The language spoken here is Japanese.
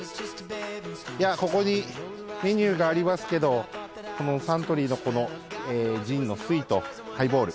ここにメニューがありますけどサントリーのジンの翠と、ハイボール。